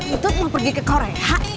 itu mau pergi ke korea